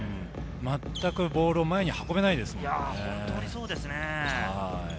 全くボールを前に運べないですもんね。